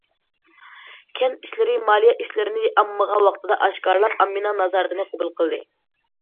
كەنت ئىشلىرى، مالىيە ئىشلىرىنى ئاممىغا ۋاقتىدا ئاشكارىلاپ، ئاممىنىڭ نازارىتىنى قوبۇل قىلدى.